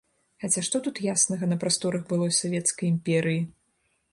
Хаця што тут яснага на прасторах былой савецкай імперыі?